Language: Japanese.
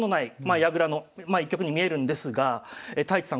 矢倉の一局に見えるんですが太地さん